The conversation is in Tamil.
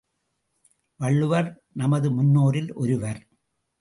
வள்ளுவர் நமது முன்னோரில் ஒருவர்.